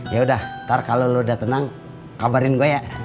yaudah ntar kalo lo udah tenang kabarin gua ya